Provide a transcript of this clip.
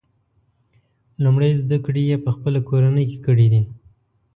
لومړۍ زده کړې یې په خپله کورنۍ کې کړي دي.